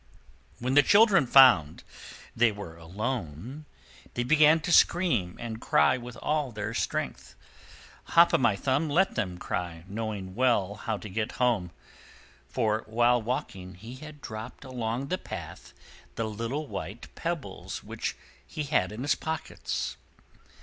When the children found they were alone, they began to scream and cry with all their strength. Hop o' My Thumb let them cry, knowing well how to get home; for, while walking, he had dropped along the path the little white pebbles which he had in his pockets.